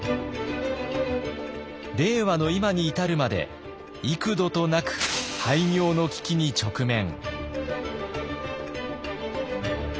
令和の今に至るまで幾度となく廃業の危機に直面。